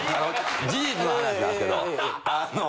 事実の話なんですけどあの。